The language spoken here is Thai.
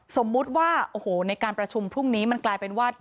สมมุติว่าโอ้โหในการประชุมพรุ่งนี้มันกลายเป็นว่า